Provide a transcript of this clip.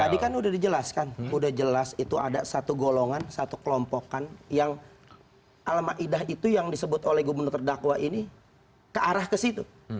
tadi kan udah dijelaskan udah jelas itu ada satu golongan satu kelompokan yang al ⁇ maidah ⁇ itu yang disebut oleh gubernur terdakwa ini ke arah ke situ